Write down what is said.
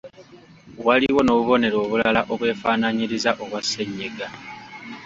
Waliwo n’obubonero obulala obwefaanaanyiriza obwa ssennyiga.